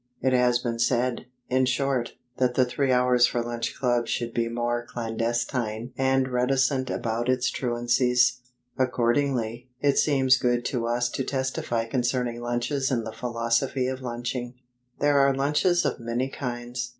It has been said, in short, that the Three Hours for Lunch Club should be more clandestine and reticent about its truancies. Accordingly, it seems good to us to testify concerning Lunches and the philosophy of Lunching. There are Lunches of many kinds.